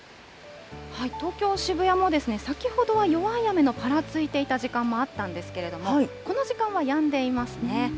東京・渋谷も、先ほどは弱い雨のぱらついていた時間もあったんですけれども、この時間はやんでいますね。